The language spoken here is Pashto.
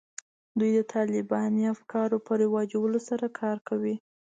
دوی د طالباني افکارو په رواجولو سره کار کوي